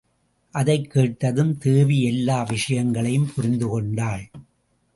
அதைக் கேட்டதும் தேவி எல்லா விஷயங்களையும் புரிந்துகொண்டாள்.